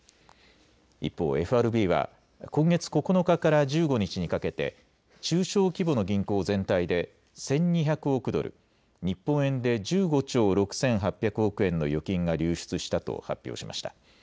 一方、ＦＲＢは今月９日から１５日にかけて中小規模の銀行全体で１２００億ドル、日本円で１５兆６８００億円の預金が流出したと発表しました。